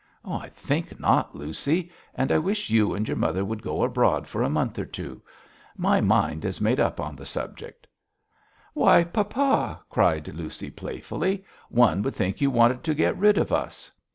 'I think not, Lucy; and I wish you and your mother to go abroad for a month or two. My mind is made up on the subject.' 'Why, papa,' cried Lucy, playfully, 'one would think you wanted to get rid of us.'